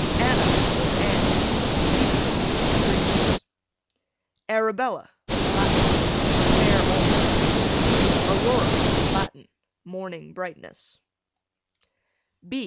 Anna, or Anne, Hebrew, gracious. Arabella, Latin, a fair altar. Aurora, Latin, morning brightness.